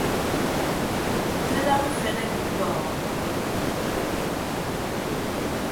Kadaña ufen emi mbọde.